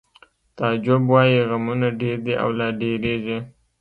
تعجب وایی غمونه ډېر دي او لا ډېرېږي